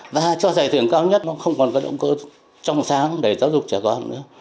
và cho giải thưởng cao nhất nó không còn có động cơ trong sáng để giáo dục trẻ con nữa